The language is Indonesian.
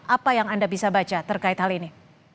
apa yang anda bisa baca terkait hal ini